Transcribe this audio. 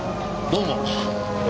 どうも。